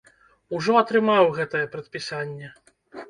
Ужо атрымаў гэтае прадпісанне.